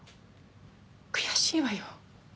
悔しいわよ。